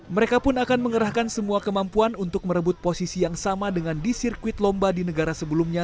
mereka pun akan mengerahkan semua kemampuan untuk merebut posisi yang sama dengan di sirkuit lomba di negara sebelumnya